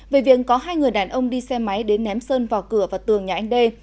về việc có hai người đàn ông đi xe máy đến ném sơn vào cửa và tường nhà anh đê